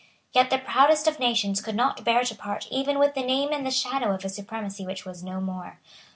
Yet the proudest of nations could not bear to part even with the name and the shadow of a supremacy which was no more.